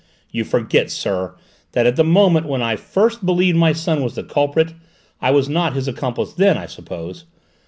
You forget, sir, that at the moment when I first believed my son was the culprit I was not his accomplice then, I suppose?